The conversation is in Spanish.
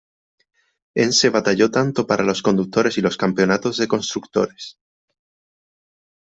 En se batalló tanto para los conductores y los campeonatos de constructores.